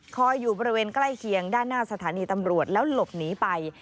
อยู่บริเวณใกล้เคียงด้านหน้าสถานีตำรวจแล้วหลบหนีไป